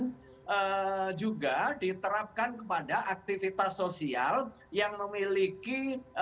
yang juga diterapkan kepada aktivitas sosial yang memiliki